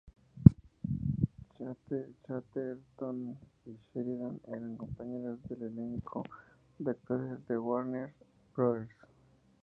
Chatterton y Sheridan eran compañeras del elenco de actores de Warner Brothers.